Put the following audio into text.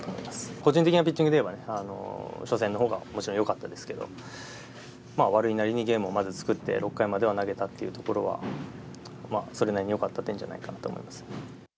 個人的なピッチングでいえば、初戦のほうがもちろんよかったですけど、悪いなりにゲームをまず作って、６回までは投げたっていうところは、それなりによかった点じゃないかなと思います。